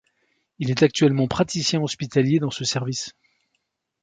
Il est actuellement praticien hospitalier dans ce service.